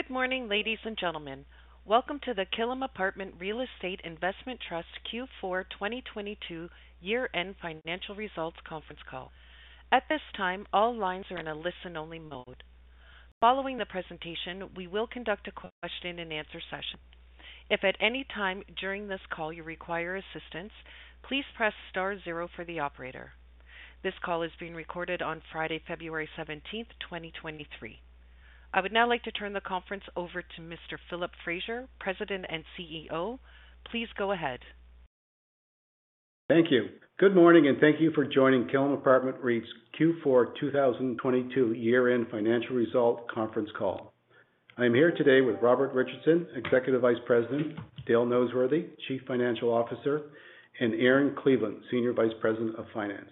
Good morning, ladies and gentlemen. Welcome to the Killam Apartment Real Estate Investment Trust Q4 2022 year-end financial results conference call. At this time, all lines are in a listen-only mode. Following the presentation, we will conduct a question-and-answer session. If at any time during this call you require assistance, please press star zero for the operator. This call is being recorded on Friday, February 17th, 2023. I would now like to turn the conference over to Mr. Philip Fraser, President and CEO. Please go ahead. Thank you. Good morning, and thank you for joining Killam Apartment REIT's Q4 2022 year-end financial results conference call. I'm here today with Robert Richardson, Executive Vice President, Dale Noseworthy, Chief Financial Officer, and Erin Cleveland, Senior Vice President of Finance.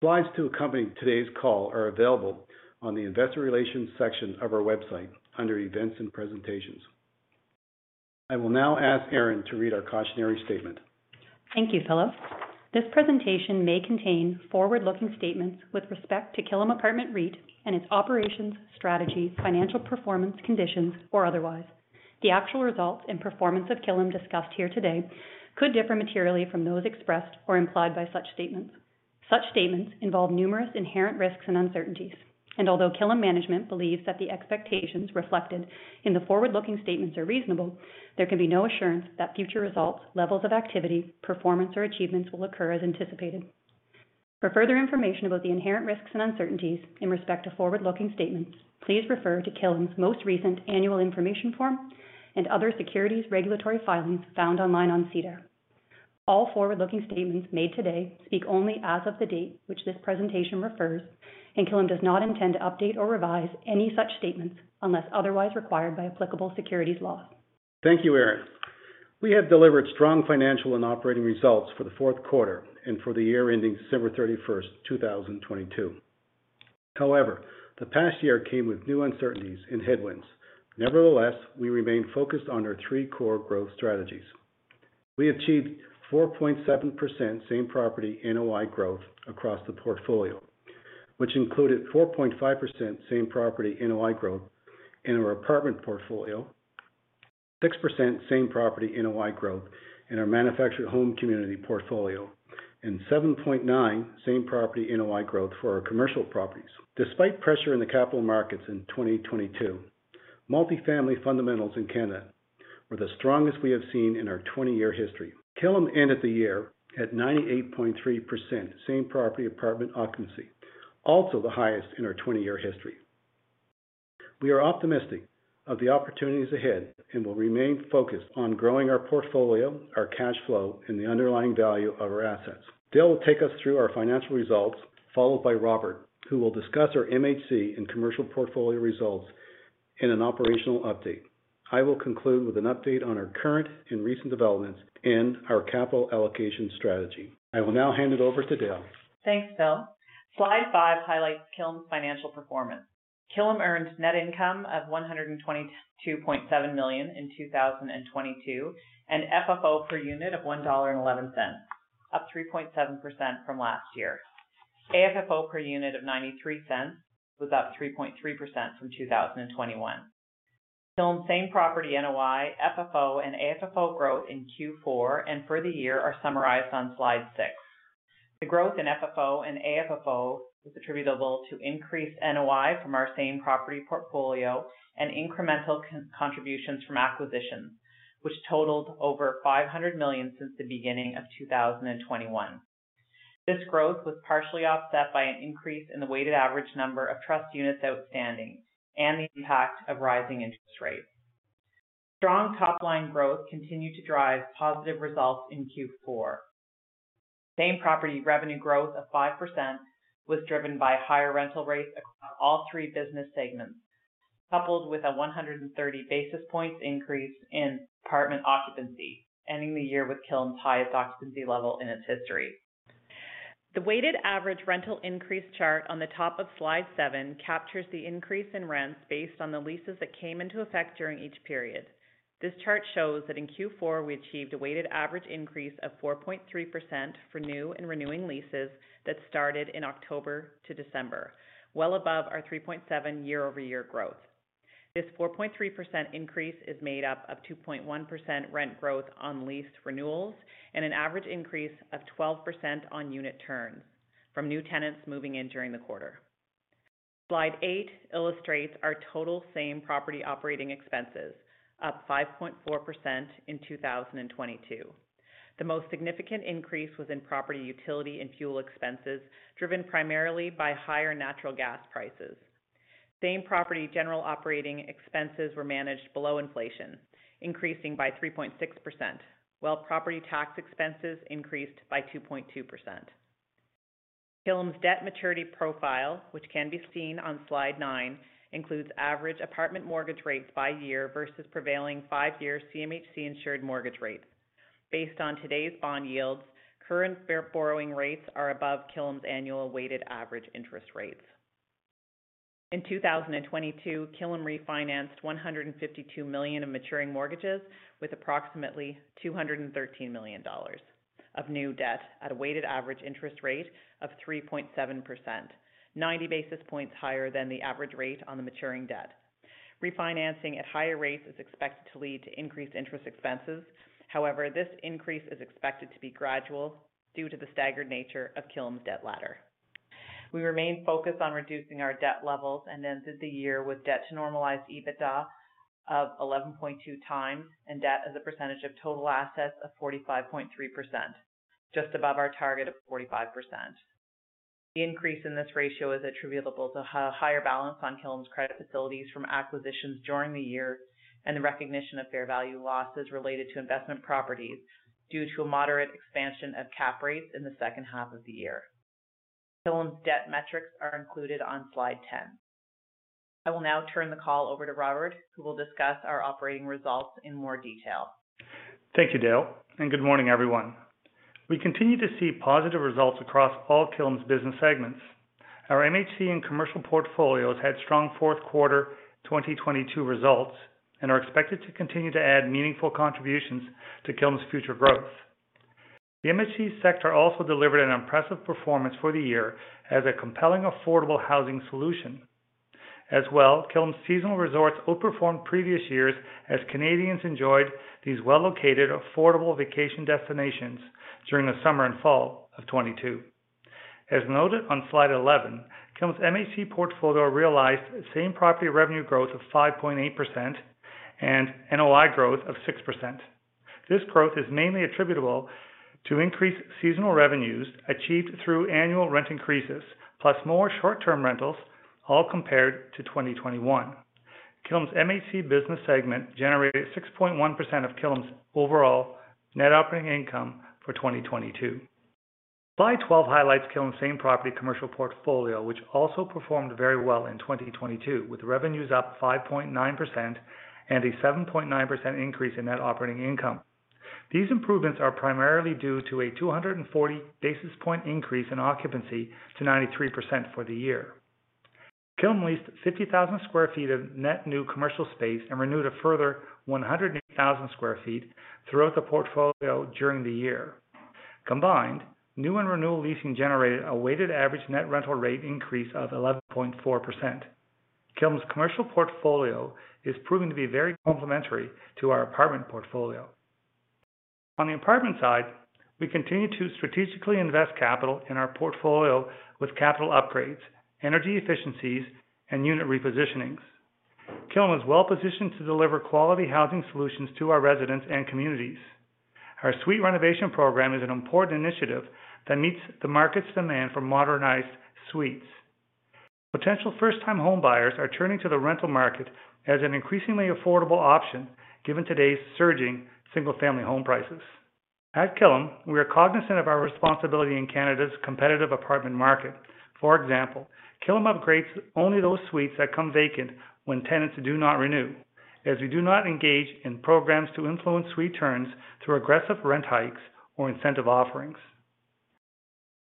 Slides to accompany today's call are available on the investor relations section of our website under events and presentations. I will now ask Erin to read our cautionary statement. Thank you, Philip. This presentation may contain forward-looking statements with respect to Killam Apartment REIT and its operations, strategies, financial performance, conditions, or otherwise. The actual results and performance of Killam discussed here today could differ materially from those expressed or implied by such statements. Such statements involve numerous inherent risks and uncertainties, and although Killam management believes that the expectations reflected in the forward-looking statements are reasonable, there can be no assurance that future results, levels of activity, performance, or achievements will occur as anticipated. For further information about the inherent risks and uncertainties in respect to forward-looking statements, please refer to Killam's most recent annual information form and other securities regulatory filings found online on SEDAR. All forward-looking statements made today speak only as of the date which this presentation refers, and Killam does not intend to update or revise any such statements unless otherwise required by applicable securities laws. Thank you, Erin. We have delivered strong financial and operating results for Q4 and for the year ending December 31, 2022. The past year came with new uncertainties and headwinds. We remain focused on our three core growth strategies. We achieved 4.7% same property NOI growth across the portfolio, which included 4.5% same property NOI growth in our apartment portfolio, 6% same property NOI growth in our manufactured home community portfolio, and 7.9% same property NOI growth for our commercial properties. Despite pressure in the capital markets in 2022, multifamily fundamentals in Canada were the strongest we have seen in our 20-year history. Killam ended the year at 98.3% same property apartment occupancy, also the highest in our 20-year history. We are optimistic of the opportunities ahead and will remain focused on growing our portfolio, our cash flow, and the underlying value of our assets. Dale will take us through our financial results, followed by Robert, who will discuss our MHC and commercial portfolio results in an operational update. I will conclude with an update on our current and recent developments and our capital allocation strategy. I will now hand it over to Dale. Thanks, Phil. Slide five highlights Killam's financial performance. Killam earned net income of 122.7 million in 2022, and FFO per unit of 1.11 dollar, up 3.7% from last year. AFFO per unit of 0.93 was up 3.3% from 2021. Killam's same property NOI, FFO, and AFFO growth in Q4 and for the year are summarized on slide six. The growth in FFO and AFFO was attributable to increased NOI from our same property portfolio and incremental contributions from acquisitions, which totaled over 500 million since the beginning of 2021. This growth was partially offset by an increase in the weighted average number of trust units outstanding and the impact of rising interest rates. Strong top-line growth continued to drive positive results in Q4. Same property revenue growth of 5% was driven by higher rental rates across all three business segments, coupled with a 130 basis points increase in apartment occupancy, ending the year with Killam's highest occupancy level in its history. The weighted average rental increase chart on the top of slide seven captures the increase in rents based on the leases that came into effect during each period. This chart shows that in Q4 we achieved a weighted average increase of 4.3% for new and renewing leases that started in October to December, well above our 3.7% year-over-year growth. This 4.3% increase is made up of 2.1% rent growth on lease renewals and an average increase of 12% on unit turns from new tenants moving in during the quarter. Slide eight illustrates our total same-property operating expenses, up 5.4% in 2022. The most significant increase was in property utility and fuel expenses, driven primarily by higher natural gas prices. Same property general operating expenses were managed below inflation, increasing by 3.6%, while property tax expenses increased by 2.2%. Killam's debt maturity profile, which can be seen on Slide nine, includes average apartment mortgage rates by year versus prevailing five-year CMHC insured mortgage rates. Based on today's bond yields, current borrowing rates are above Killam's annual weighted average interest rates. In 2022, Killam refinanced 152 million of maturing mortgages with approximately 213 million dollars. Of new debt at a weighted average interest rate of 3.7%, 90 basis points higher than the average rate on the maturing debt. Refinancing at higher rates is expected to lead to increased interest expenses. This increase is expected to be gradual due to the staggered nature of Killam's debt ladder. We remain focused on reducing our debt levels and ended the year with debt to normalized EBITDA of 11.2 times and debt as a percentage of total assets of 45.3%, just above our target of 45%. The increase in this ratio is attributable to higher balance on Killam's credit facilities from acquisitions during the year and the recognition of fair value losses related to investment properties due to a moderate expansion of cap rates in the H2 of the year. Killam's debt metrics are included on slide 10. I will now turn the call over to Robert, who will discuss our operating results in more detail. Thank you, Dale, and good morning, everyone. We continue to see positive results across all Killam's business segments. Our MHC and commercial portfolios had strong Q4 2022 results and are expected to continue to add meaningful contributions to Killam's future growth. The MHC sector also delivered an impressive performance for the year as a compelling, affordable housing solution. Killam's seasonal resorts outperformed previous years as Canadians enjoyed these well-located, affordable vacation destinations during the summer and fall of 2022. As noted on slide 11, Killam's MHC portfolio realized same-property revenue growth of 5.8% and NOI growth of 6%. This growth is mainly attributable to increased seasonal revenues achieved through annual rent increases, plus more short-term rentals, all compared to 2021. Killam's MHC business segment generated 6.1% of Killam's overall net operating income for 2022. Slide 12 highlights Killam's same property commercial portfolio, which also performed very well in 2022, with revenues up 5.9% and a 7.9% increase in net operating income. These improvements are primarily due to a 240 basis point increase in occupancy to 93% for the year. Killam leased 50,000 sq ft of net new commercial space and renewed a further 108,000 sq ft throughout the portfolio during the year. Combined, new and renewal leasing generated a weighted average net rental rate increase of 11.4%. Killam's commercial portfolio is proving to be very complementary to our apartment portfolio. On the apartment side, we continue to strategically invest capital in our portfolio with capital upgrades, energy efficiencies, and unit repositionings. Killam is well-positioned to deliver quality housing solutions to our residents and communities. Our suite renovation program is an important initiative that meets the market's demand for modernized suites. Potential first-time homebuyers are turning to the rental market as an increasingly affordable option given today's surging single-family home prices. At Killam, we are cognizant of our responsibility in Canada's competitive apartment market. For example, Killam upgrades only those suites that come vacant when tenants do not renew, as we do not engage in programs to influence suite turns through aggressive rent hikes or incentive offerings.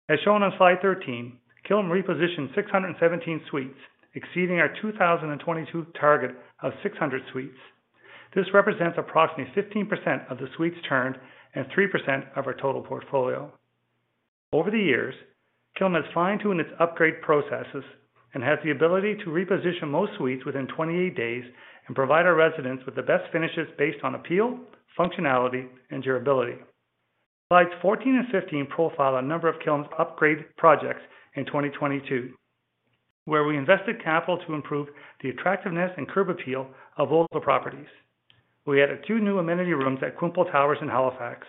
As shown on slide 13, Killam repositioned 617 suites, exceeding our 2022 target of 600 suites. This represents approximately 15% of the suites turned and 3% of our total portfolio. Over the years, Killam has fine-tuned its upgrade processes and has the ability to reposition most suites within 28 days and provide our residents with the best finishes based on appeal, functionality, and durability. Slides 14 and 15 profile a number of Killam's upgrade projects in 2022, where we invested capital to improve the attractiveness and curb appeal of multiple properties. We added 2 new amenity rooms at Quinpool Towers in Halifax,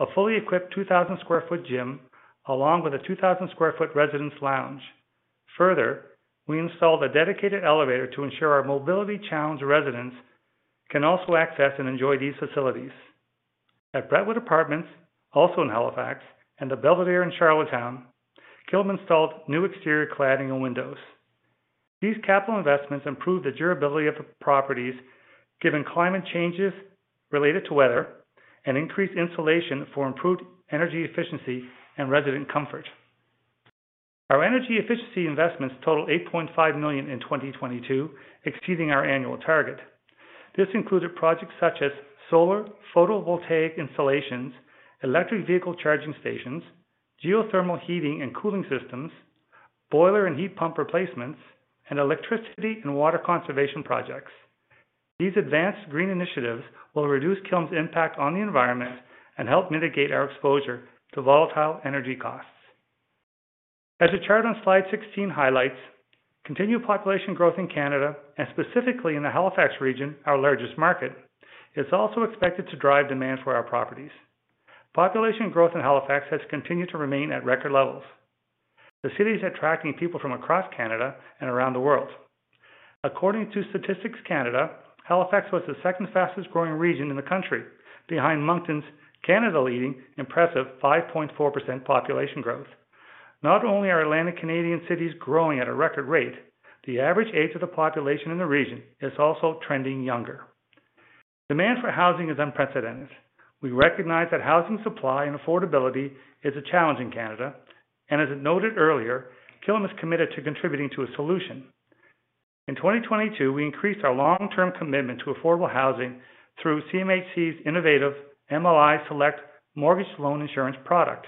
a fully equipped 2,000 sq ft gym along with a 2,000 sq ft residence lounge. Further, we installed a dedicated elevator to ensure our mobility-challenged residents can also access and enjoy these facilities. At Brentwood Apartments, also in Halifax, and at Belvedere in Charlottetown, Killam installed new exterior cladding and windows. These capital investments improve the durability of the properties given climate changes related to weather and increased insulation for improved energy efficiency and resident comfort. Our energy efficiency investments totaled 8.5 million in 2022, exceeding our annual target. This included projects such as solar photovoltaic installations, electric vehicle charging stations, geothermal heating and cooling systems, boiler and heat pump replacements, and electricity and water conservation projects. These advanced green initiatives will reduce Killam's impact on the environment and help mitigate our exposure to volatile energy costs. As the chart on slide 16 highlights, continued population growth in Canada, and specifically in the Halifax region, our largest market, is also expected to drive demand for our properties. Population growth in Halifax has continued to remain at record levels. The city is attracting people from across Canada and around the world. According to Statistics Canada, Halifax was the second fastest growing region in the country, behind Moncton's Canada-leading impressive 5.4% population growth. Not only are Atlantic Canadian cities growing at a record rate, the average age of the population in the region is also trending younger. Demand for housing is unprecedented. We recognize that housing supply and affordability is a challenge in Canada, and as noted earlier, Killam is committed to contributing to a solution. In 2022, we increased our long-term commitment to affordable housing through CMHC's innovative MLI Select mortgage loan insurance product.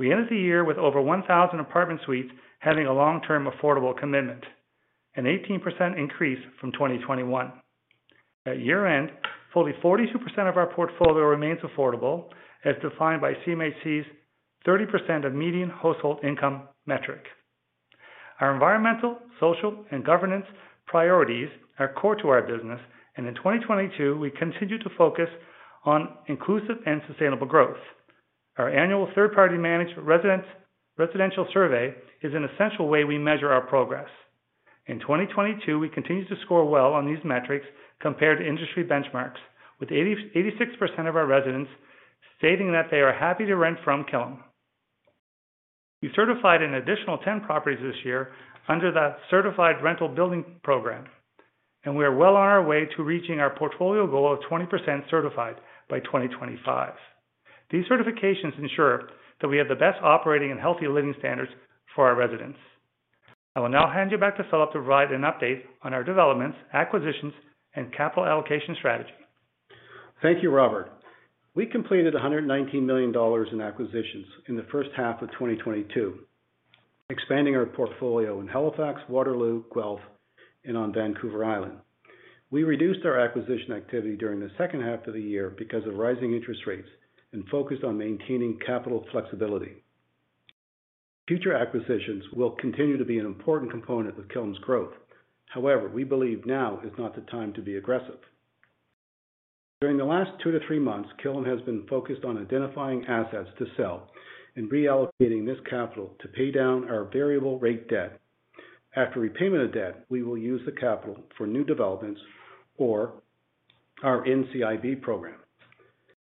We ended the year with over 1,000 apartment suites having a long-term affordable commitment, an 18% increase from 2021. At year-end, fully 42% of our portfolio remains affordable, as defined by CMHC's 30% of median household income metric. Our environmental, social, and governance priorities are core to our business. In 2022, we continued to focus on inclusive and sustainable growth. Our annual third-party managed residential survey is an essential way we measure our progress. In 2022, we continued to score well on these metrics compared to industry benchmarks with 86% of our residents stating that they are happy to rent from Killam. We certified an additional 10 properties this year under the Certified Rental Building program. We are well on our way to reaching our portfolio goal of 20% certified by 2025. These certifications ensure that we have the best operating and healthy living standards for our residents. I will now hand you back to Philip to provide an update on our developments, acquisitions, and capital allocation strategy. Thank you, Robert. We completed 119 million dollars in acquisitions in the H1 of 2022, expanding our portfolio in Halifax, Waterloo, Guelph, and on Vancouver Island. We reduced our acquisition activity during the H2 of the year because of rising interest rates and focused on maintaining capital flexibility. Future acquisitions will continue to be an important component of Killam's growth. However, we believe now is not the time to be aggressive. During the last 2-3 months, Killam has been focused on identifying assets to sell and reallocating this capital to pay down our variable rate debt. After repayment of debt, we will use the capital for new developments or our NCIB program.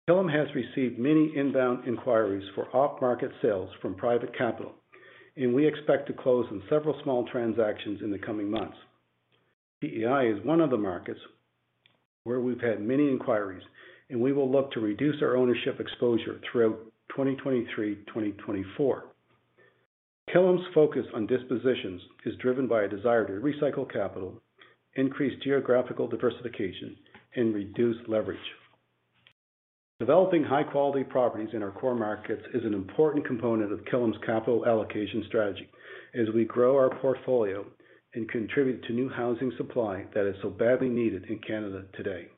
Killam has received many inbound inquiries for off-market sales from private capital. We expect to close on several small transactions in the coming months. PEI is one of the markets where we've had many inquiries. We will look to reduce our ownership exposure throughout 2023, 2024. Killam's focus on dispositions is driven by a desire to recycle capital, increase geographical diversification, and reduce leverage. Developing high quality properties in our core markets is an important component of Killam's capital allocation strategy as we grow our portfolio and contribute to new housing supply that is so badly needed in Canada today.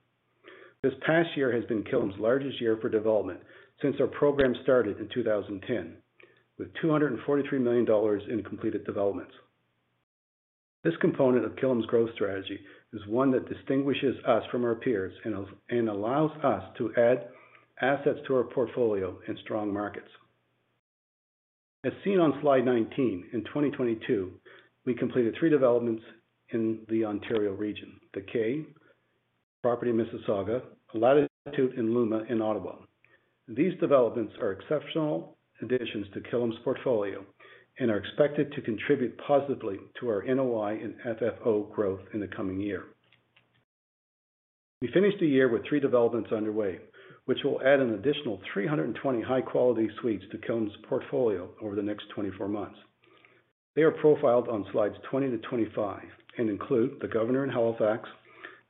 This past year has been Killam's largest year for development since our program started in 2010 with 243 million dollars in completed developments. This component of Killam's growth strategy is one that distinguishes us from our peers and allows us to add assets to our portfolio in strong markets. As seen on slide 19, in 2022, we completed three developments in the Ontario region. The Kay property in Mississauga, Latitude, Luma in Ottawa. These developments are exceptional additions to Killam's portfolio and are expected to contribute positively to our NOI and FFO growth in the coming year. We finished the year with three developments underway, which will add an additional 320 high-quality suites to Killam's portfolio over the next 24 months. They are profiled on slides 20 to 25 and include The Governor in Halifax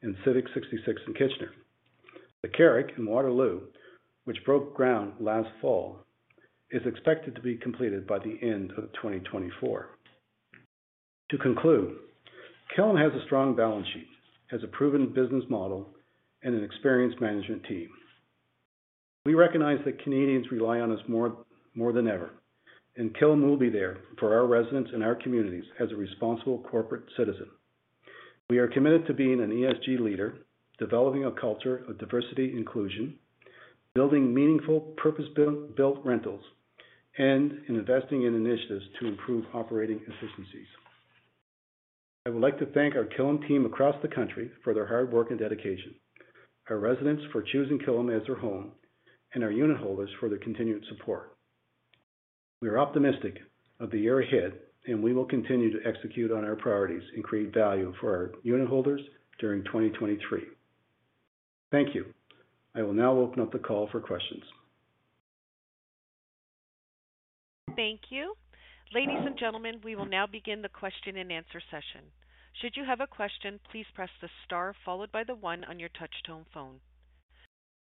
and Civic 66 in Kitchener. The Carrick in Waterloo, which broke ground last fall, is expected to be completed by the end of 2024. To conclude, Killam has a strong balance sheet, has a proven business model, and an experienced management team. We recognize that Canadians rely on us more than ever, Killam will be there for our residents and our communities as a responsible corporate citizen. We are committed to being an ESG leader, developing a culture of diversity inclusion, building meaningful purpose-built rentals, and in investing in initiatives to improve operating efficiencies. I would like to thank our Killam team across the country for their hard work and dedication, our residents for choosing Killam as their home, and our unitholders for their continued support. We are optimistic of the year ahead, We will continue to execute on our priorities and create value for our unitholders during 2023. Thank you. I will now open up the call for questions. Thank you. Ladies and gentlemen, we will now begin the question and answer session. Should you have a question, please press the star followed by the one on your touch tone phone.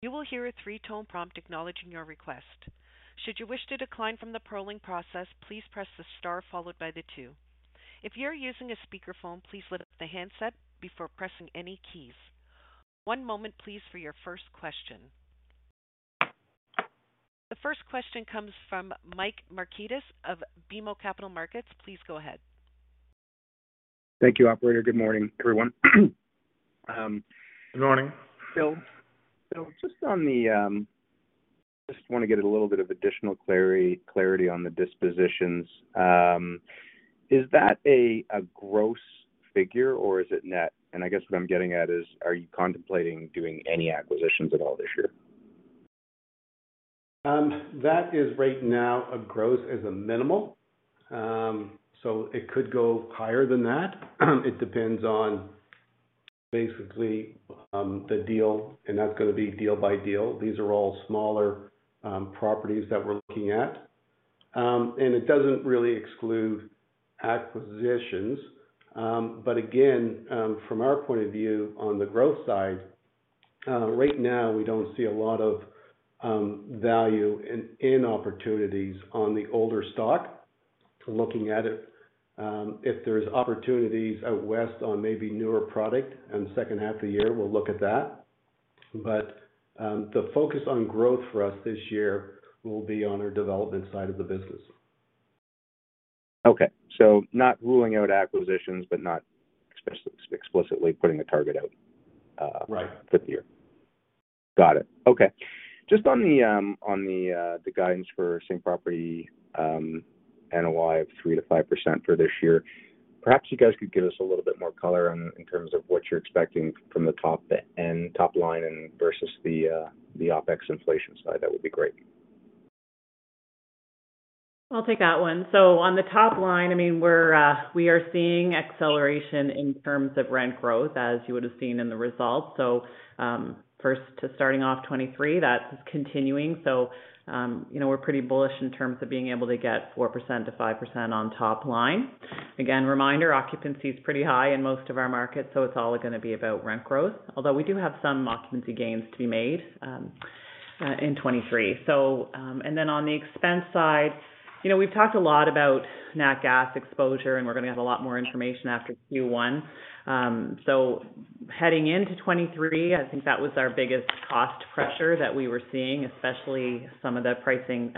You will hear a 3-tone prompt acknowledging your request. Should you wish to decline from the polling process, please press the star followed by the two. If you're using a speakerphone, please lift the handset before pressing any keys. One moment please for your first question. The first question comes from Michael Markidis of BMO Capital Markets. Please go ahead. Thank you, operator. Good morning, everyone. Good morning. Phil, just wanna get a little bit of additional clarity on the dispositions. Is that a gross figure or is it net? And I guess what I'm getting at is, are you contemplating doing any acquisitions at all this year? That is right now a gross as a minimal. It could go higher than that. It depends on Basically, the deal, and that's gonna be deal by deal. These are all smaller properties that we're looking at. It doesn't really exclude acquisitions. Again, from our point of view on the growth side, right now we don't see a lot of value in opportunities on the older stock. Looking at it, if there's opportunities out west on maybe newer product in the H2 of the year, we'll look at that. The focus on growth for us this year will be on our development side of the business. Okay. Not ruling out acquisitions, but not explicitly putting a target out. Right. for the year. Got it. Okay. On the guidance for same-property NOI of 3%-5% for this year, perhaps you guys could give us a little bit more color in terms of what you're expecting from the top line and versus the OpEx inflation side. That would be great. I'll take that one. On the top line, I mean, we're, we are seeing acceleration in terms of rent growth, as you would have seen in the results. First to starting off 2023, that's continuing. You know, we're pretty bullish in terms of being able to get 4%-5% on top line. Again, reminder, occupancy is pretty high in most of our markets, so it's all gonna be about rent growth. Although we do have some occupancy gains to be made in 2023. And then on the expense side, you know, we've talked a lot about nat gas exposure, and we're gonna have a lot more information after Q1. Heading into 23, I think that was our biggest cost pressure that we were seeing, especially some of the pricing,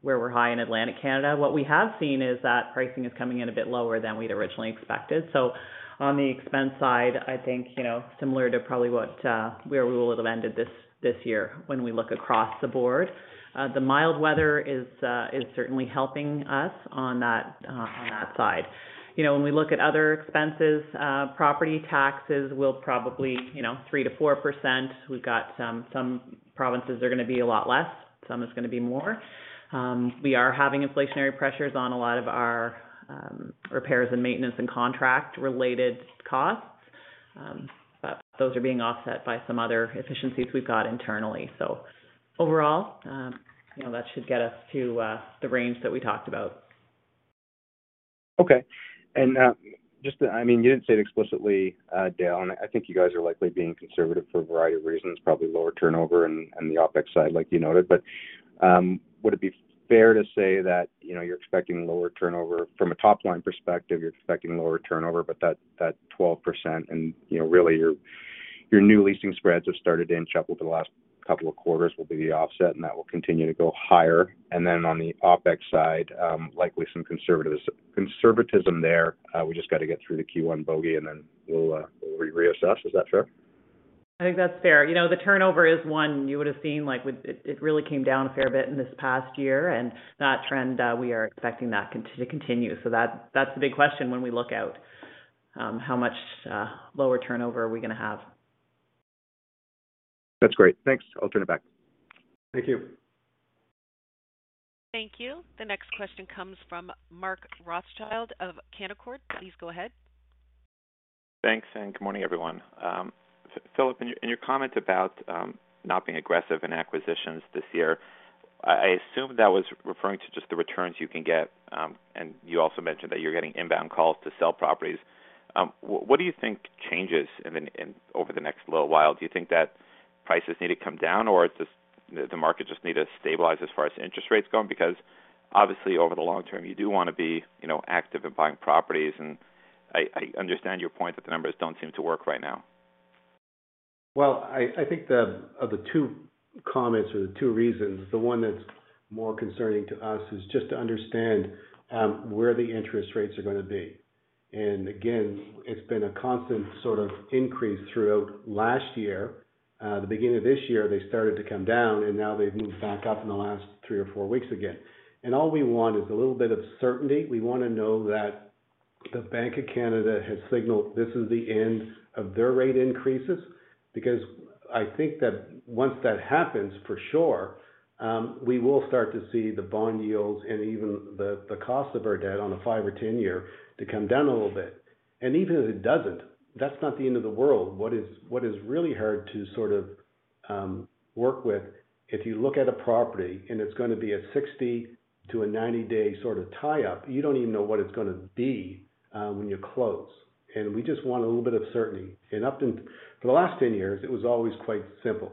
where we're high in Atlantic Canada. What we have seen is that pricing is coming in a bit lower than we'd originally expected. On the expense side, I think, you know, similar to probably what where we will have ended this year when we look across the board. The mild weather is certainly helping us on that on that side. You know, when we look at other expenses, property taxes will probably, you know, 3%-4%. We've got some provinces are gonna be a lot less, some it's gonna be more. We are having inflationary pressures on a lot of our repairs and maintenance and contract-related costs. Those are being offset by some other efficiencies we've got internally. Overall, you know, that should get us to the range that we talked about. Okay. Just, I mean, you didn't say it explicitly, Dale, and I think you guys are likely being conservative for a variety of reasons, probably lower turnover on the OpEx side, like you noted. Would it be fair to say that, you know, you're expecting lower turnover from a top-line perspective, you're expecting lower turnover, but that 12% and, you know, really your new leasing spreads have started to inch up over the last couple of quarters will be the offset, and that will continue to go higher. Then on the OpEx side, likely some conservatism there. We just got to get through the Q1 bogey and then we'll reassess. Is that fair? I think that's fair. You know, the turnover is one you would have seen, like it really came down a fair bit in this past year. That trend, we are expecting that to continue. That's the big question when we look out, how much lower turnover are we gonna have. That's great. Thanks. I'll turn it back. Thank you. Thank you. The next question comes from Mark Rothschild of Canaccord. Please go ahead. Thanks, and good morning, everyone. Philip, in your comment about not being aggressive in acquisitions this year, I assume that was referring to just the returns you can get, and you also mentioned that you're getting inbound calls to sell properties. What do you think changes over the next little while? Do you think that prices need to come down or does the market just need to stabilize as far as interest rates go? Obviously, over the long term, you do wanna be, you know, active in buying properties. I understand your point that the numbers don't seem to work right now. Well, I think the, of the two comments or the two reasons, the one that's more concerning to us is just to understand where the interest rates are gonna be. Again, it's been a constant sort of increase throughout last year. The beginning of this year, they started to come down, and now they've moved back up in the last three or four weeks again. All we want is a little bit of certainty. We wanna know that the Bank of Canada has signaled this is the end of their rate increases. I think that once that happens, for sure, we will start to see the bond yields and even the cost of our debt on a five or 10-year to come down a little bit. Even if it doesn't, that's not the end of the world. What is really hard to sort of work with, if you look at a property and it's gonna be a 60 to a 90-day sort of tie-up, you don't even know what it's gonna be when you close. We just want a little bit of certainty. Up until for the last 10 years, it was always quite simple.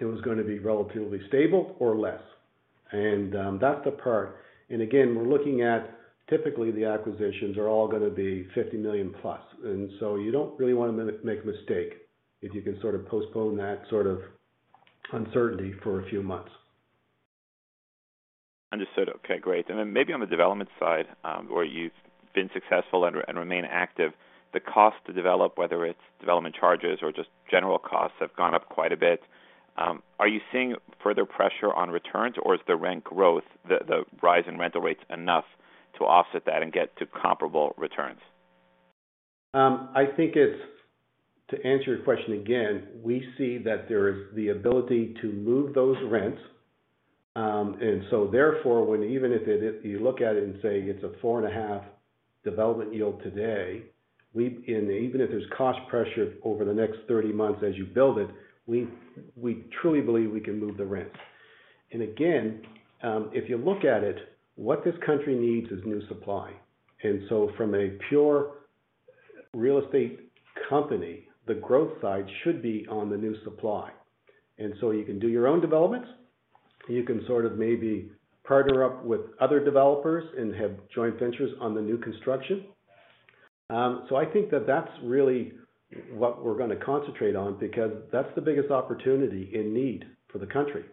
It was gonna be relatively stable or less. That's the part. Again, we're looking at, typically the acquisitions are all gonna be 50 million plus. So you don't really wanna make a mistake if you can sort of postpone that sort of uncertainty for a few months. Understood. Okay, great. Maybe on the development side, where you've been successful and remain active, the cost to develop, whether it's development charges or just general costs, have gone up quite a bit. Are you seeing further pressure on returns or is the rent growth, the rise in rental rates enough to offset that and get to comparable returns? I think it's, to answer your question again, we see that there is the ability to move those rents. Therefore, even if it, if you look at it and say it's a 4.5 development yield today, and even if there's cost pressure over the next 30 months as you build it, we truly believe we can move the rents. Again, if you look at it, what this country needs is new supply. From a pure real estate company, the growth side should be on the new supply. You can do your own developments, you can sort of maybe partner up with other developers and have joint ventures on the new construction. I think that that's really what we're gonna concentrate on because that's the biggest opportunity in need for the country.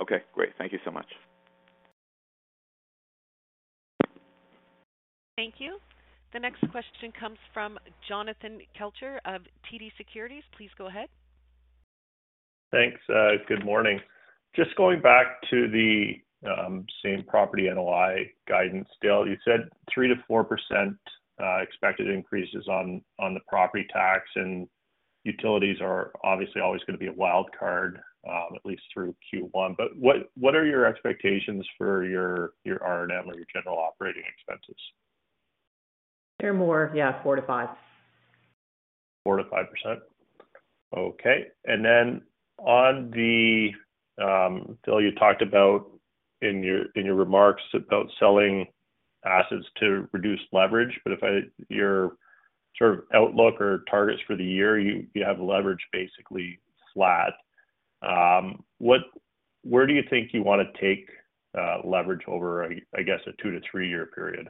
Okay, great. Thank you so much. Thank you. The next question comes from Jonathan Kelcher of TD Securities. Please go ahead. Thanks. Good morning. Just going back to the same property NOI guidance, Dale. You said 3%-4% expected increases on the property tax, and utilities are obviously always going to be a wild card, at least through Q1. What are your expectations for your R&M or your general operating expenses? They're more, yeah, four to five. 4%-5%? Okay. Then on the, Dale Noseworthy, you talked about in your remarks about selling assets to reduce leverage. Your sort of outlook or targets for the year, you have leverage basically flat. Where do you think you want to take leverage over, I guess a 2-3-year period?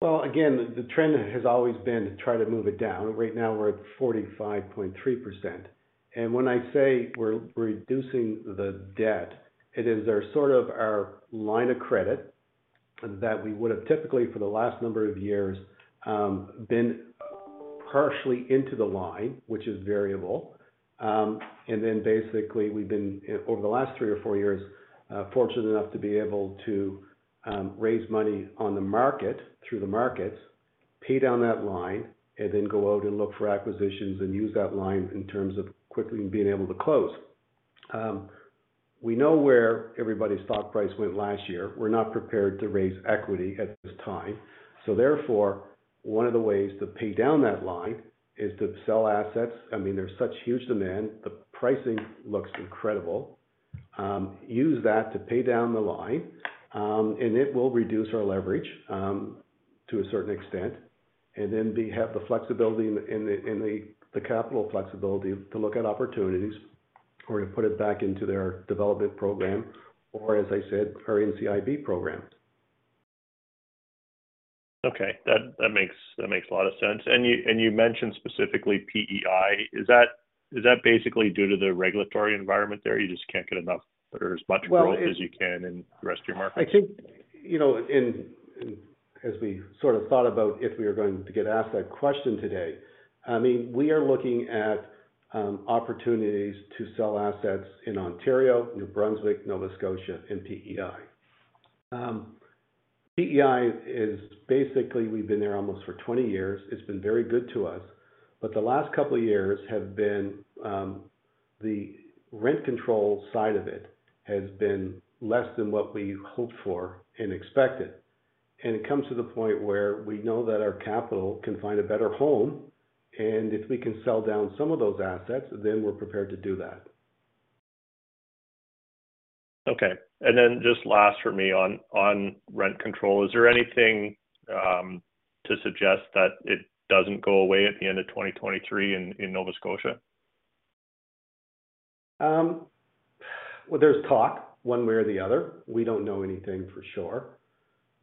Well, again, the trend has always been to try to move it down. Right now we're at 45.3%. When I say we're reducing the debt, it is our sort of our line of credit that we would have typically for the last number of years, been partially into the line, which is variable. Basically, we've been, over the last three or four years, fortunate enough to be able to raise money on the market through the markets, pay down that line, and then go out and look for acquisitions and use that line in terms of quickly being able to close. We know where everybody's stock price went last year. We're not prepared to raise equity at this time. Therefore, one of the ways to pay down that line is to sell assets. I mean, there's such huge demand. The pricing looks incredible. use that to pay down the line, and it will reduce our leverage to a certain extent, and then we have the flexibility in the capital flexibility to look at opportunities or to put it back into their development program or, as I said, our NCIB program. Okay. That makes a lot of sense. You mentioned specifically PEI. Is that basically due to the regulatory environment there? You just can't get enough or as much growth? Well. As you can in the rest of your markets? I think, you know, as we sort of thought about if we were going to get asked that question today, I mean, we are looking at opportunities to sell assets in Ontario, New Brunswick, Nova Scotia, and PEI. PEI is basically, we've been there almost for 20 years. It's been very good to us. The last couple of years have been, the rent control side of it has been less than what we hoped for and expected. It comes to the point where we know that our capital can find a better home. If we can sell down some of those assets, then we're prepared to do that. Okay. Then just last for me on rent control, is there anything to suggest that it doesn't go away at the end of 2023 in Nova Scotia? Well, there's talk one way or the other. We don't know anything for sure.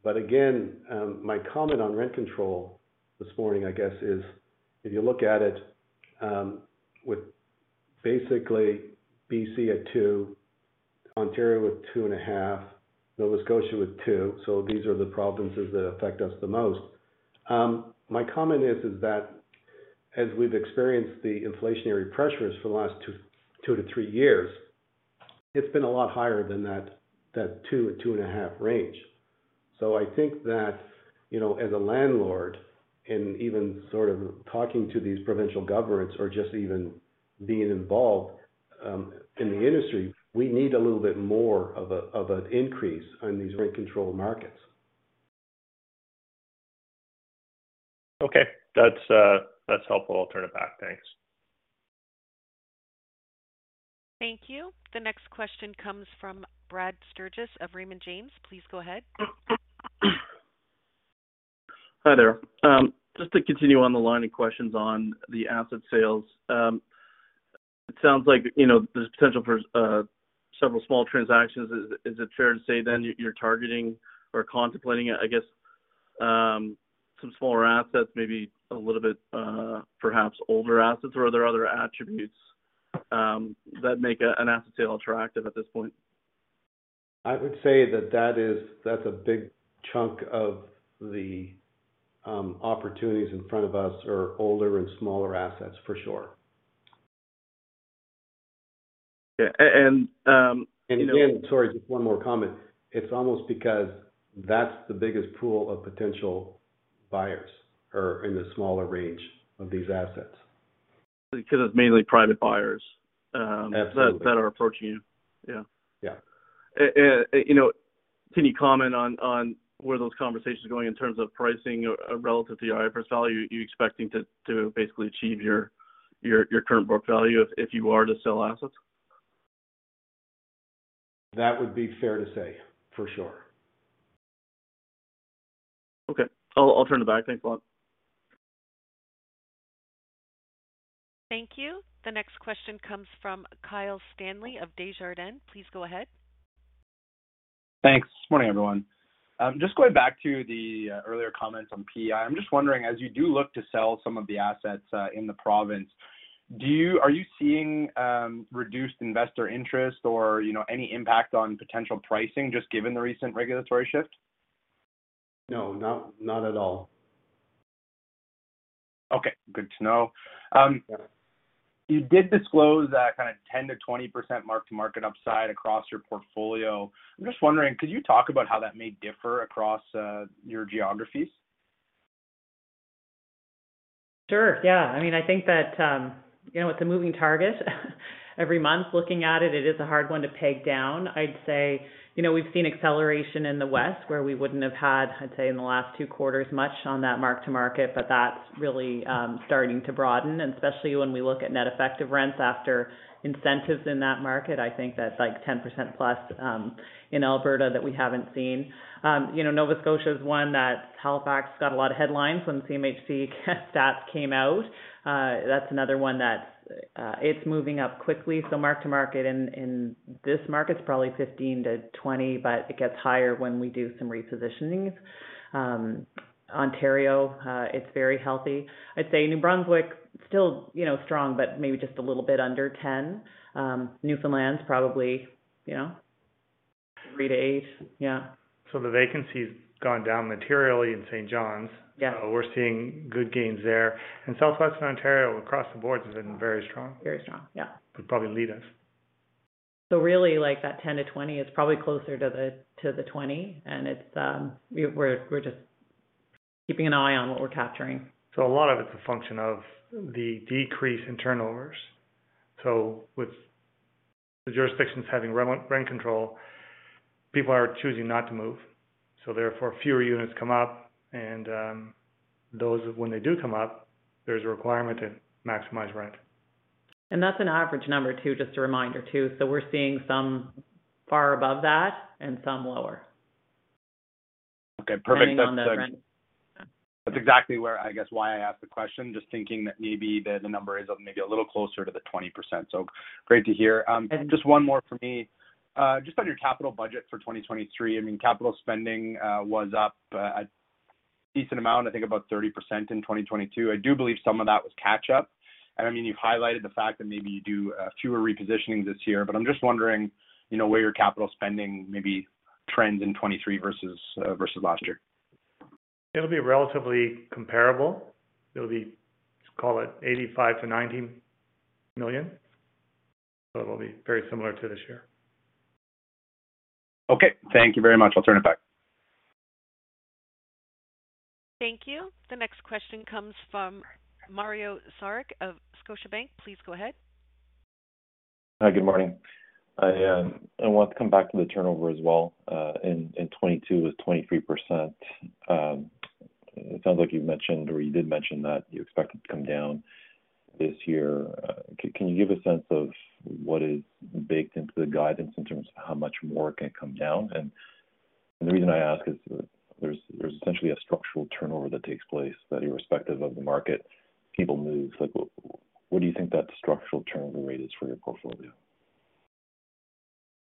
My comment on rent control this morning, I guess is if you look at it, with basically BC at two, Ontario with 2.5, Nova Scotia with two. These are the provinces that affect us the most. My comment is that as we've experienced the inflationary pressures for the last 2-3 years, it's been a lot higher than that 2.5 range. I think that, you know, as a landlord and even sort of talking to these provincial governments or just even being involved, in the industry, we need a little bit more of a, of an increase on these rent control markets. Okay. That's, that's helpful. I'll turn it back. Thanks. Thank you. The next question comes from Brad Sturges of Raymond James. Please go ahead. Hi there. Just to continue on the line of questions on the asset sales. It sounds like, you know, there's potential for several small transactions. Is it fair to say then you're targeting or contemplating, I guess, some smaller assets, maybe a little bit, perhaps older assets? Are there other attributes that make an asset sale attractive at this point? I would say that that's a big chunk of the opportunities in front of us are older and smaller assets, for sure. Yeah. Again, sorry, just one more comment. It's almost because that's the biggest pool of potential buyers are in the smaller range of these assets. Because it's mainly private buyers, Absolutely that are approaching you. Yeah. Yeah. You know, can you comment on where those conversations are going in terms of pricing relative to your IPO value? Are you expecting to basically achieve your current book value if you are to sell assets? That would be fair to say, for sure. Okay. I'll turn it back. Thanks a lot. Thank you. The next question comes from Kyle Stanley of Desjardins. Please go ahead. Thanks. Morning, everyone. Just going back to the earlier comments on PEI. I'm just wondering, as you do look to sell some of the assets in the province, are you seeing reduced investor interest or, you know, any impact on potential pricing just given the recent regulatory shift? No, not at all. Good to know. You did disclose that kind of 10%-20% mark-to-market upside across your portfolio. I'm just wondering, could you talk about how that may differ across your geographies? Sure, yeah. I mean, I think that, you know, with the moving target, every month looking at it is a hard one to peg down. I'd say, you know, we've seen acceleration in the West where we wouldn't have had, I'd say in the last two quarters, much on that mark-to-market, but that's really starting to broaden. Especially when we look at net effective rents after incentives in that market, I think that's like 10% plus in Alberta that we haven't seen. You know, Nova Scotia is one that Halifax got a lot of headlines when the CMHC stats came out. That's another one that it's moving up quickly. Mark-to-market in this market is probably 15%-20%, but it gets higher when we do some repositionings. Ontario, it's very healthy. I'd say New Brunswick still, you know, strong, but maybe just a little bit under 10%. Newfoundland is probably, you know, 3%-8%. Yeah. The vacancy has gone down materially in St. John's. Yeah. We're seeing good gains there. Southwestern Ontario across the board has been very strong. Very strong, yeah. Would probably lead us. really like that 10-20 is probably closer to the 20. We're just keeping an eye on what we're capturing. A lot of it's a function of the decrease in turnovers. With the jurisdictions having re-rent control, people are choosing not to move. Therefore, fewer units come up and those when they do come up, there's a requirement to maximize rent. That's an average number too, just a reminder too. We're seeing some far above that and some lower. Okay, perfect. Depending on the rent. That's exactly where, I guess why I asked the question, just thinking that maybe the number is maybe a little closer to the 20%. Great to hear. Just one more for me. Just on your capital budget for 2023, I mean, capital spending was up a decent amount, I think about 30% in 2022. I do believe some of that was catch up. I mean, you've highlighted the fact that maybe you do fewer repositionings this year, but I'm just wondering, you know, where your capital spending maybe trends in 2023 versus versus last year? It'll be relatively comparable. It'll be, let's call it 85 million-90 million. It'll be very similar to this year. Okay. Thank you very much. I'll turn it back. Thank you. The next question comes from Mario Saric of Scotiabank. Please go ahead. Hi, good morning. I want to come back to the turnover as well. In 2022, it was 23%. It sounds like you've mentioned or you did mention that you expect it to come down this year. Can you give a sense of what is baked into the guidance in terms of how much more it can come down? The reason I ask is there's essentially a structural turnover that takes place that irrespective of the market, people move. What do you think that structural turnover rate is for your portfolio?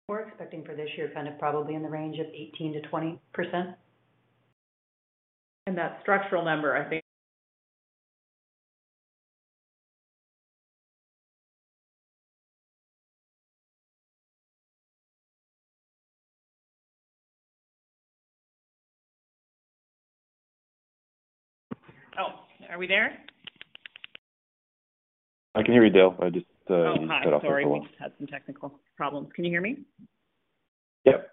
We're expecting for this year, kind of probably in the range of 18%-20%. That structural number, I think... Oh, are we there? I can hear you, Dale. I just. Oh, hi. Sorry. Cut off for a second. We just had some technical problems. Can you hear me? Yep.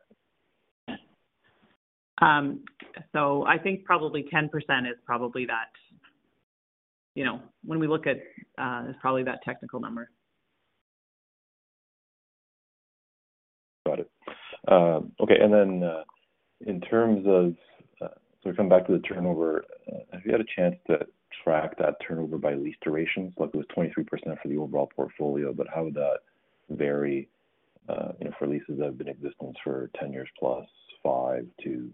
I think probably 10% is probably that, you know, when we look at, is probably that technical number. Got it. Okay. In terms of, so coming back to the turnover, have you had a chance to track that turnover by lease duration? It was 23% for the overall portfolio, but how would that vary, you know, for leases that have been in existence for 10 years plus 5 to,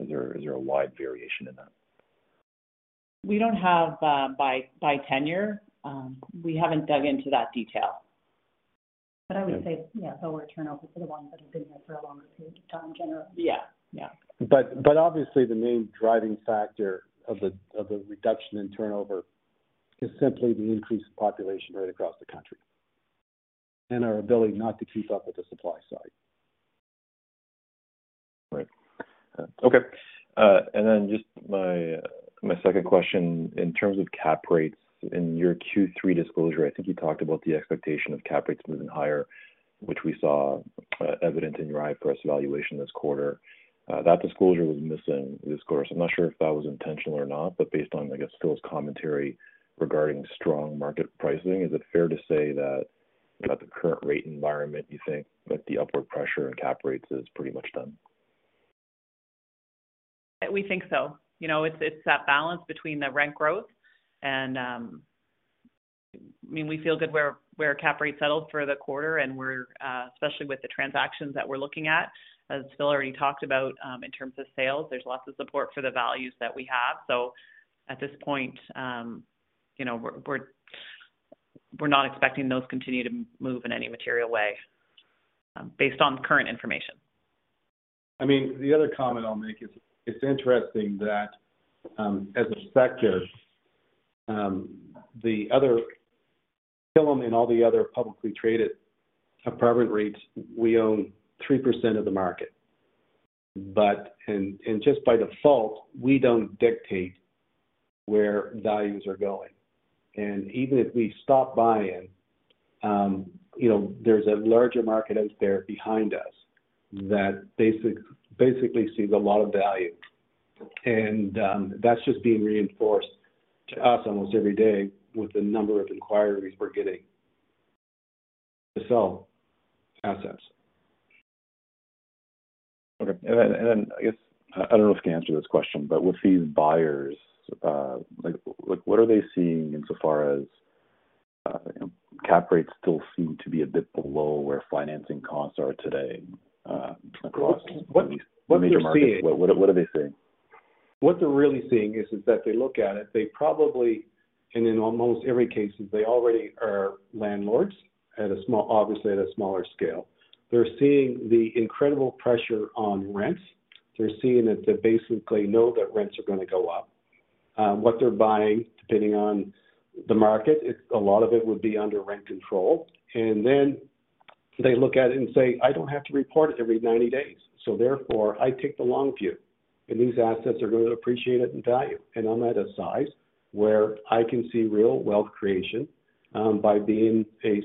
is there a wide variation in that? We don't have, by tenure. We haven't dug into that detail. I would say, yeah, there were turnovers for the ones that have been there for a longer period of time, generally. Yeah. Yeah. Obviously the main driving factor of the reduction in turnover is simply the increased population right across the country and our ability not to keep up with the supply side. Right. Okay. Just my second question. In terms of cap rates. In your Q3 disclosure, I think you talked about the expectation of cap rates moving higher, which we saw evident in your IFRS valuation this quarter. That disclosure was missing this quarter. I'm not sure if that was intentional or not, but based on, I guess, Philip's commentary regarding strong market pricing, is it fair to say that at the current rate environment, you think that the upward pressure in cap rates is pretty much done? We think so. You know, it's that balance between the rent growth. I mean, we feel good where cap rate settled for the quarter and we're especially with the transactions that we're looking at, as Phil already talked about, in terms of sales, there's lots of support for the values that we have. At this point, you know, we're not expecting those to continue to move in any material way, based on current information. I mean, the other comment I'll make is it's interesting that, as a sector, Killam and all the other publicly traded apartment REITs, we own 3% of the market. Just by default, we don't dictate where values are going. Even if we stop buying, you know, there's a larger market out there behind us that basically sees a lot of value. That's just being reinforced to us almost every day with the number of inquiries we're getting to sell assets. Okay. Then, I guess, I don't know if you can answer this question. With these buyers, like what are they seeing insofar as cap rates still seem to be a bit below where financing costs are today? What they're seeing. major markets. What are they seeing? What they're really seeing is that they look at it, they probably, and in almost every case they already are landlords at a smaller scale. They're seeing the incredible pressure on rents. They're seeing that they basically know that rents are going to go up. What they're buying, depending on the market, it's a lot of it would be under rent control. They look at it and say, "I don't have to report it every 90 days, so therefore I take the long view. These assets are going to appreciate it in value. I'm at a size where I can see real wealth creation, by being a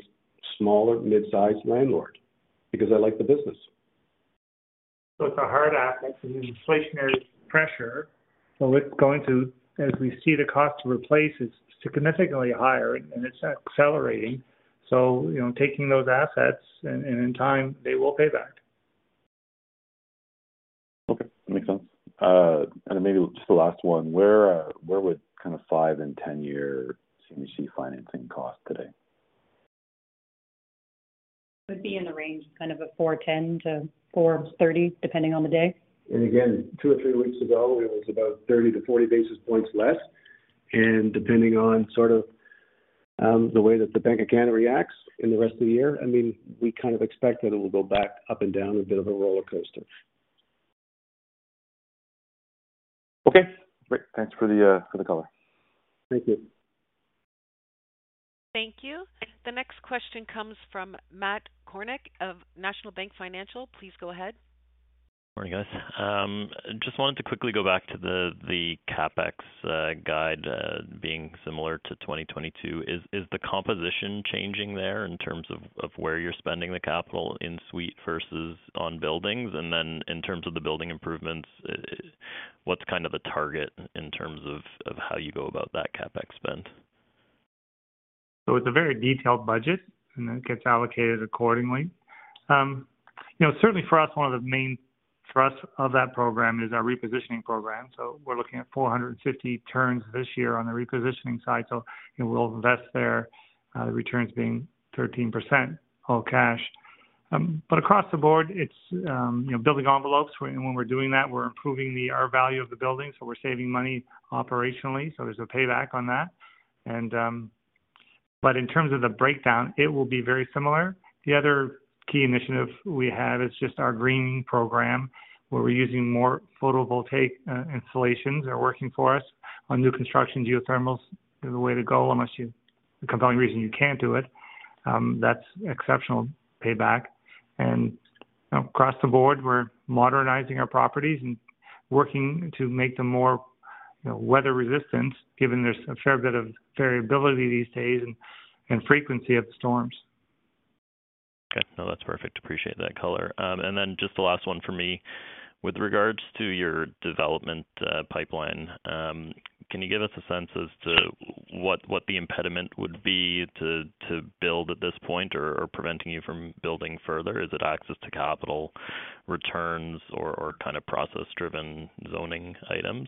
smaller mid-size landlord because I like the business. It's a hard asset and inflationary pressure. It's going to, as we see the cost to replace, it's significantly higher and it's accelerating. You know, taking those assets and in time they will pay back. Okay, makes sense. Maybe just the last one. Where would kind of 5 and 10-year CMHC financing cost today? Would be in the range kind of a 4.10%-4.30% depending on the day. Again, two or 3 three weeks ago it was about 30 to 40 basis points less. Depending on sort of, the way that the Bank of Canada reacts in the rest of the year, I mean, we kind of expect that it will go back up and down a bit of a rollercoaster. Okay, great. Thanks for the, for the color. Thank you. Thank you. The next question comes from Matt Kornack of National Bank Financial. Please go ahead. Morning, guys. Just wanted to quickly go back to the CapEx guide, being similar to 2022. Is the composition changing there in terms of where you're spending the capital in suite versus on buildings? In terms of the building improvements, what's kind of the target in terms of how you go about that CapEx spend? It's a very detailed budget and it gets allocated accordingly. You know, certainly for us, one of the main thrust of that program is our repositioning program. We're looking at 450 turns this year on the repositioning side. You know, we'll invest there, the returns being 13% all cash. But across the board it's, you know, building envelopes. When we're doing that, we're improving our value of the building, so we're saving money operationally. There's a payback on that. But in terms of the breakdown, it will be very similar. The other key initiative we have is just our green program, where we're using more photovoltaic installations are working for us on new construction. Geothermals are the way to go unless a compelling reason you can't do it. That's exceptional payback. You know, across the board, we're modernizing our properties and working to make them more, you know, weather resistant, given there's a fair bit of variability these days and frequency of storms. Okay. No, that's perfect. Appreciate that color. Just the last one for me. With regards to your development pipeline, can you give us a sense as to what the impediment would be to build at this point or preventing you from building further? Is it access to capital returns or kind of process-driven zoning items?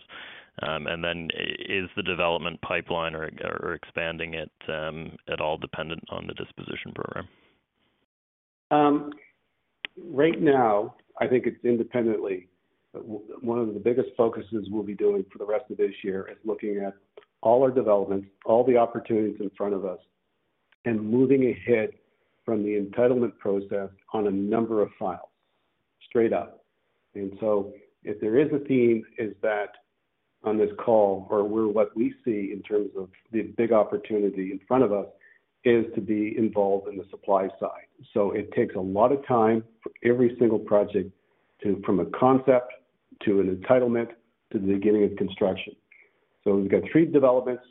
Is the development pipeline or expanding it at all dependent on the disposition program? Right now I think it's independently. One of the biggest focuses we'll be doing for the rest of this year is looking at all our developments, all the opportunities in front of us, and moving ahead from the entitlement process on a number of files straight up. If there is a theme, on this call or what we see in terms of the big opportunity in front of us is to be involved in the supply side. It takes a lot of time for every single project to from a concept to an entitlement to the beginning of construction. We've got three developments.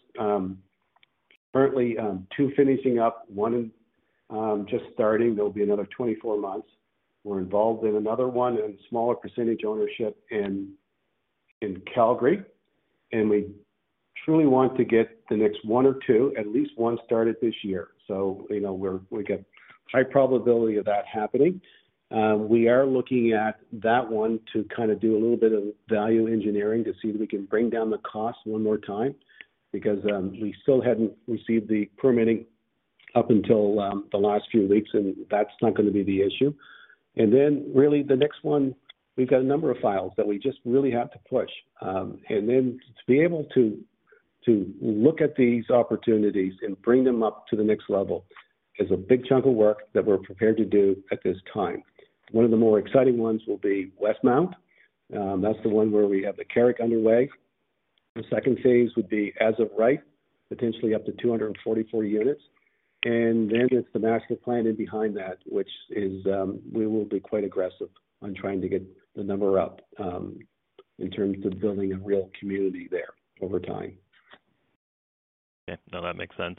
Currently, two finishing up, one, just starting. There'll be another 24 months. We're involved in another one in a smaller percentage ownership in Calgary, we truly want to get the next one or two, at least one started this year. You know, we've got high probability of that happening. We are looking at that one to kind of do a little bit of value engineering to see if we can bring down the cost one more time because, we still hadn't received the permitting up until the last few weeks, that's not gonna be the issue. Really the next one, we've got a number of files that we just really have to push. To be able to look at these opportunities and bring them up to the next level is a big chunk of work that we're prepared to do at this time. One of the more exciting ones will be Westmount. That's the one where we have the Carrick underway. The second phase would be as of right, potentially up to 244 units. Then it's the master planning behind that which is, we will be quite aggressive on trying to get the number up, in terms of building a real community there over time. Okay. No, that makes sense.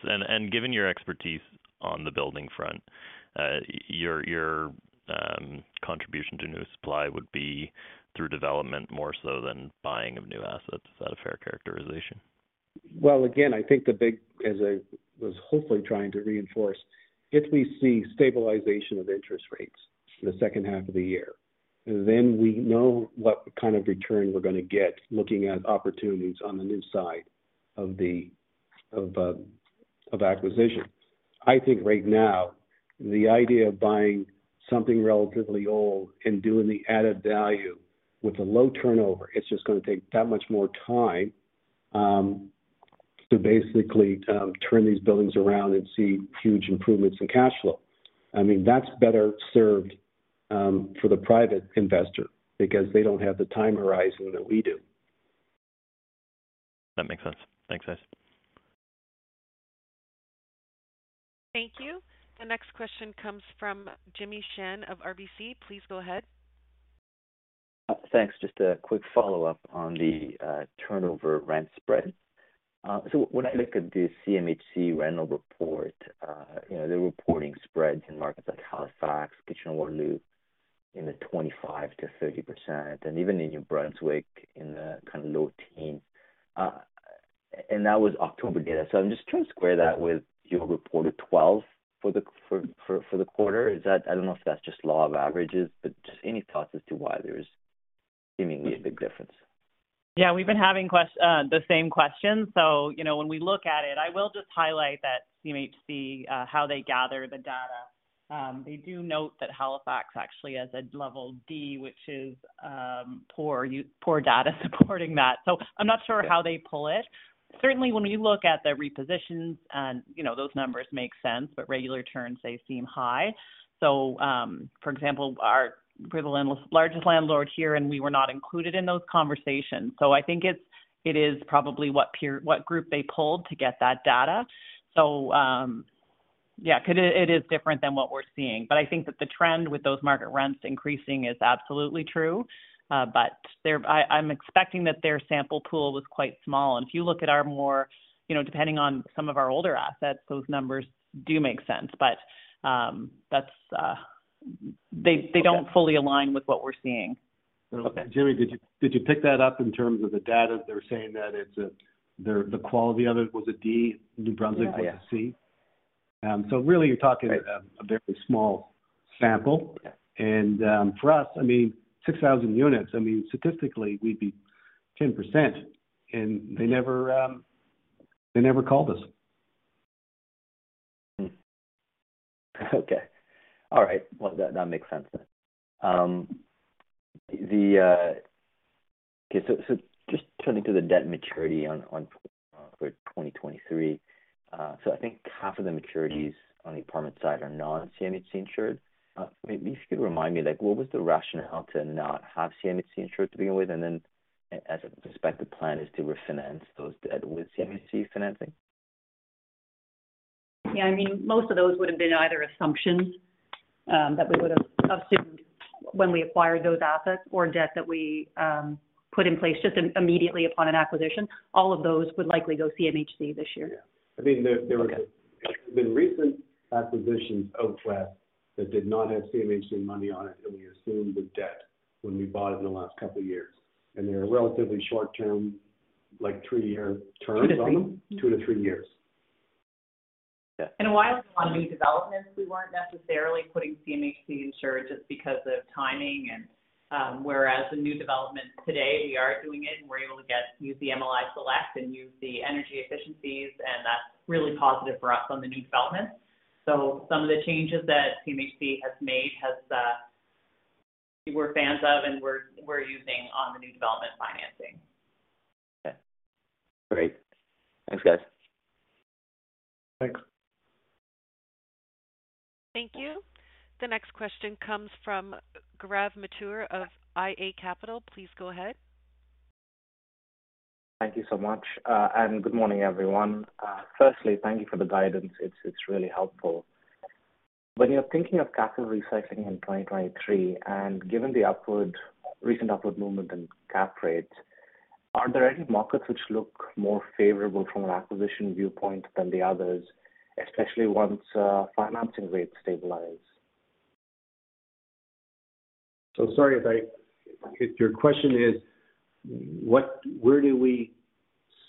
Given your expertise on the building front, your contribution to new supply would be through development more so than buying of new assets. Is that a fair characterization? Again, I think the big, as I was hopefully trying to reinforce, if we see stabilization of interest rates in the H2 of the year, then we know what kind of return we're gonna get looking at opportunities on the new side of the, of acquisition. I think right now, the idea of buying something relatively old and doing the added value with a low turnover, it's just gonna take that much more time to basically turn these buildings around and see huge improvements in cash flow. I mean, that's better served for the private investor because they don't have the time horizon that we do. That makes sense. Thanks, guys. Thank you. The next question comes from Jimmy Shan of RBC. Please go ahead. Thanks. Just a quick follow-up on the turnover rent spread. When I look at the CMHC rental report, you know, they're reporting spreads in markets like Halifax, Kitchener-Waterloo in the 25%-30%, and even in New Brunswick in the kind of low teens. And that was October data. I'm just trying to square that with your reported 12 for the quarter. Is that I don't know if that's just law of averages, but just any thoughts as to why there's seemingly a big difference? Yeah, we've been having the same question. You know, when we look at it, I will just highlight that CMHC, how they gather the data. They do note that Halifax actually has a level D, which is poor data supporting that. I'm not sure how they pull it. Certainly, when we look at the repositions and, you know, those numbers make sense, but regular turns, they seem high. For example, we're the largest landlord here, and we were not included in those conversations. I think it's, it is probably what peer, what group they pulled to get that data. Yeah, it is different than what we're seeing. I think that the trend with those market rents increasing is absolutely true. I'm expecting that their sample pool was quite small. If you look at our more, you know, depending on some of our older assets, those numbers do make sense. That's, they don't fully align with what we're seeing. Okay. Jimmy, did you pick that up in terms of the data? They're saying that it's the quality of it was a D. New Brunswick was a C. Oh, yeah. Really you're talking, a very small sample. Yeah. For us, I mean, 6,000 units, I mean, statistically, we'd be 10%, and they never, they never called us. Okay. All right. Well, that makes sense then. Okay. Just turning to the debt maturity for 2023. I think half of the maturities on the apartment side are non-CMHC insured. If you could remind me, like what was the rationale to not have CMHC insured to begin with, and then as a suspected plan is to refinance those debt with CMHC financing? Yeah, I mean, most of those would have been either assumptions that we would have assumed when we acquired those assets or debt that we put in place just immediately upon an acquisition. All of those would likely go CMHC this year. Yeah. I mean, there. Okay. There's been recent acquisitions out west that did not have CMHC money on it, and we assumed the debt when we bought it in the last couple of years. They were relatively short-term, like 3-year terms on them. Two to three? 2-3 years. While on new developments, we weren't necessarily putting CMHC insured just because of timing and whereas the new developments today we are doing it, and we're able to use the MLI Select and use the energy efficiencies, and that's really positive for us on the new developments. Some of the changes that CMHC has made has we're fans of and we're using on the new development financing. Okay. Great. Thanks, guys. Thanks. Thank you. The next question comes from Gaurav Mathur of iA Capital Markets. Please go ahead. Thank you so much, and good morning, everyone. Firstly, thank you for the guidance. It's really helpful. When you're thinking of capital recycling in 2023, given the recent upward movement in cap rates, are there any markets which look more favorable from an acquisition viewpoint than the others, especially once financing rates stabilize? sorry if I If your question is what where do we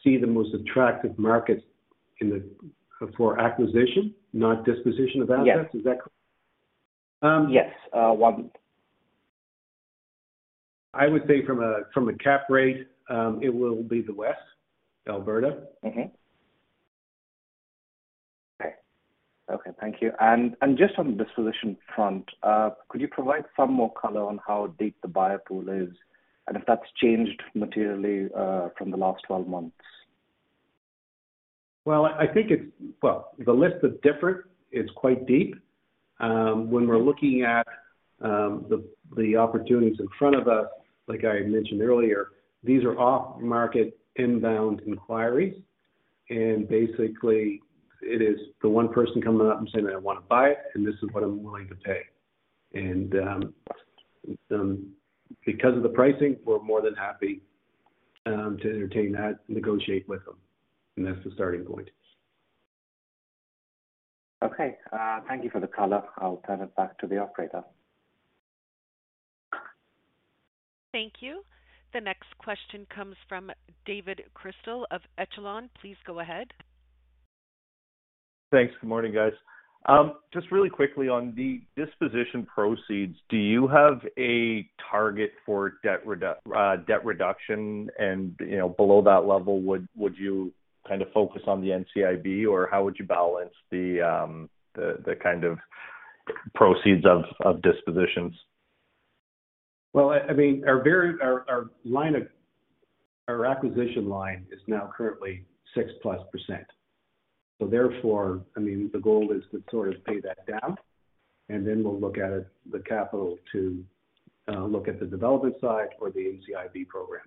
see the most attractive markets in the for acquisition, not disposition of assets? Yes. Is that correct? Yes. 1. I would say from a cap rate, it will be the West Alberta. Mm-hmm. Okay. Okay, thank you. Just on the disposition front, could you provide some more color on how deep the buyer pool is and if that's changed materially, from the last 12 months? Well, I think Well, the list is different. It's quite deep. When we're looking at the opportunities in front of us, like I mentioned earlier, these are off-market inbound inquiries. Basically it is the one person coming up and saying, "I wanna buy it, and this is what I'm willing to pay." Because of the pricing, we're more than happy to entertain that, negotiate with them. That's the starting point. Okay. Thank you for the color. I'll turn it back to the operator. Thank you. The next question comes from David Crystal of Echelon. Please go ahead. Thanks. Good morning, guys. Just really quickly on the disposition proceeds, do you have a target for debt reduction? You know, below that level, would you kind of focus on the NCIB, or how would you balance the kind of proceeds of dispositions? I mean, Our acquisition line is now currently 6+%. Therefore, I mean, the goal is to sort of pay that down, and then we'll look at it, the capital to look at the development side or the NCIB program.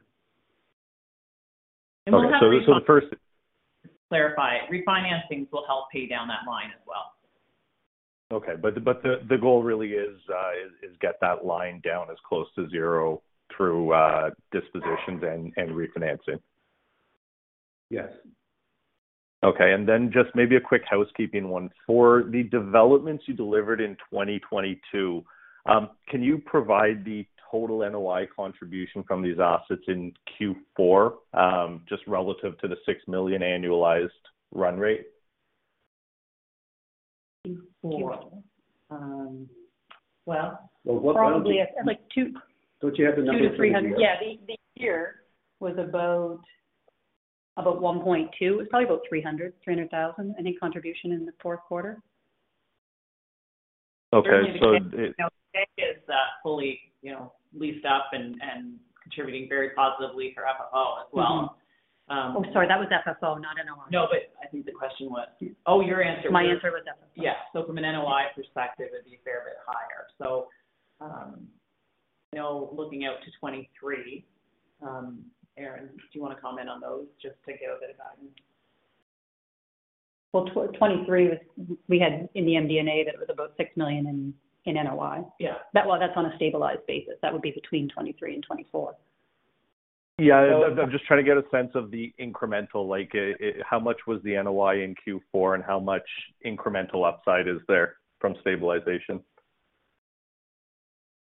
Okay. Clarify, refinancings will help pay down that line as well. Okay. The goal really is get that line down as close to zero through dispositions and refinancing. Yes. Okay. Just maybe a quick housekeeping one. For the developments you delivered in 2022, can you provide the total NOI contribution from these assets in Q4, just relative to the 6 million annualized run rate? Q4. Probably at, like, two- Don't you have the numbers in here? 200-300. Yeah. The year was about 1.2 million. It's probably about 300,000 in contribution in the Q4. Okay. Certainly the fit, you know, today is fully, you know, leased up and contributing very positively for FFO as well. I'm sorry, that was FFO, not NOI. No, I think the question was. Oh, your answer. My answer was FFO. Yeah. From an NOI perspective, it'd be a fair bit higher. You know, looking out to 2023, Erin, do you wanna comment on those just to give a bit of guidance? Well, 2023 we had in the MD&A that it was about 6 million in NOI. Yeah. That's on a stabilized basis. That would be between 23 and 24. Yeah. I'm just trying to get a sense of the incremental. Like, how much was the NOI in Q4 and how much incremental upside is there from stabilization?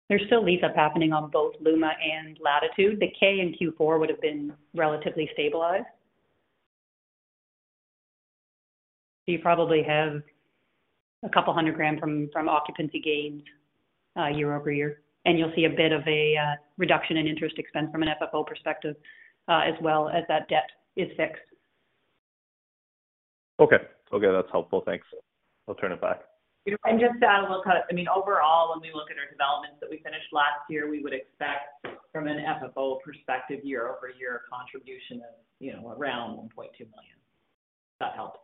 There's still lease-up happening on both Luma and Latitude. The Kay in Q4 would've been relatively stabilized. You probably have 200,000 from occupancy gains year-over-year, you'll see a bit of a reduction in interest expense from an FFO perspective, as well as that debt is fixed. Okay. Okay, that's helpful. Thanks. I'll turn it back. Just to add a little color, I mean, overall, when we look at our developments that we finished last year, we would expect from an FFO perspective year-over-year contribution of, you know, around 1.2 million, if that helps.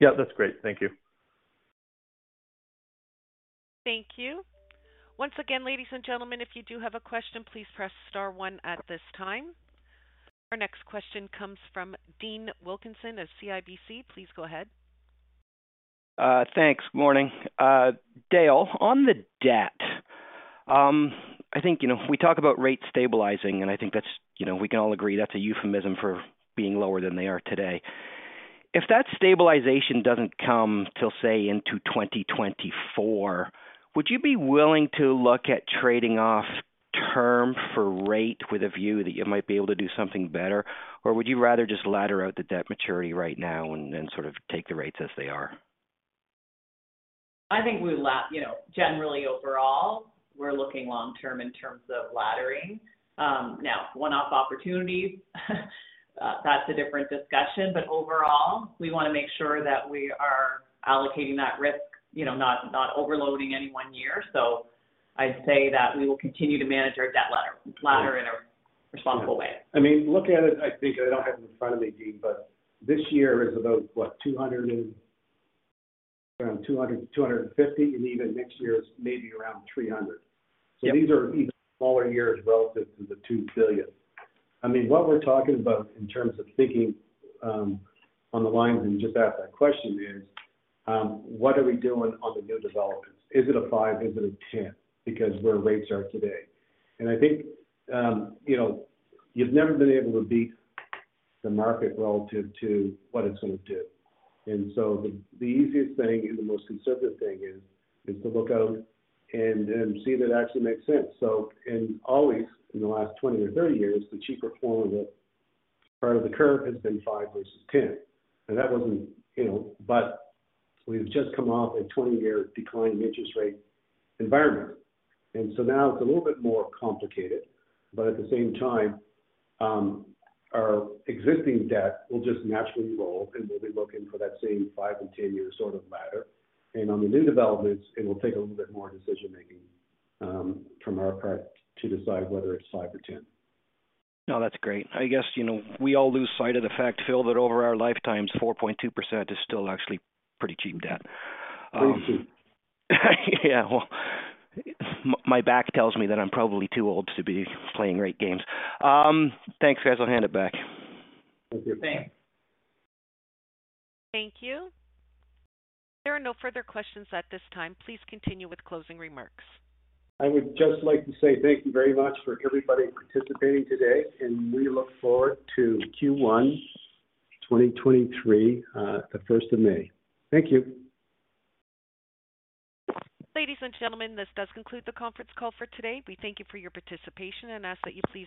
Yeah. That's great. Thank you. Thank you. Once again, ladies and gentlemen, if you do have a question, please press star 1 at this time. Our next question comes from Dean Wilkinson of CIBC. Please go ahead. Thanks. Morning. Dale, on the debt, I think, you know, we talk about rates stabilizing, and I think that's, you know, we can all agree that's a euphemism for being lower than they are today. If that stabilization doesn't come till, say, into 2024, would you be willing to look at trading off term for rate with a view that you might be able to do something better, or would you rather just ladder out the debt maturity right now and then sort of take the rates as they are? I think, you know, generally overall, we're looking long term in terms of laddering. Now one-off opportunities, that's a different discussion, but overall, we wanna make sure that we are allocating that risk, you know, not overloading any one year. I'd say that we will continue to manage our debt ladder. Responsible way. I mean, look at it. I think I don't have it in front of me, Dean, this year is about what? Around 200-250, and even next year is maybe around 300. Yeah. These are even smaller years relative to the 2 billion. I mean, what we're talking about in terms of thinking, on the lines that you just asked that question is, what are we doing on the new developments? Is it a 5, is it a 10 because where rates are today? I think, you know, you've never been able to beat the market relative to what it's gonna do. The easiest thing and the most conservative thing is to look out and see if it actually makes sense. Always in the last 20 or 30 years, the cheaper form of it, part of the curve has been five versus 10. That wasn't, you know... We've just come off a 20-year decline in interest rate environment. Now it's a little bit more complicated, but at the same time, our existing debt will just naturally roll, and we'll be looking for that same five and 10-year sort of ladder. On the new developments, it will take a little bit more decision-making from our part to decide whether it's five or 10. That's great. I guess, you know, we all lose sight of the fact, Philip, that over our lifetimes, 4.2% is still actually pretty cheap debt. Pretty cheap. Yeah. Well, my back tells me that I'm probably too old to be playing rate games. Thanks, guys. I'll hand it back. Thank you. Thanks. Thank you. There are no further questions at this time. Please continue with closing remarks. I would just like to say thank you very much for everybody participating today, and we look forward to Q1 2023, the first of May. Thank you. Ladies and gentlemen, this does conclude the conference call for today. We thank you for your participation and ask that you please